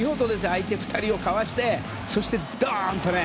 相手２人をかわしてドーン！と。